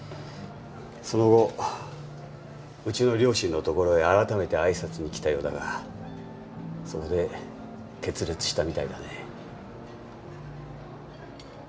その後うちの両親のところへあらためて挨拶に来たようだがそこで決裂したみたいだね。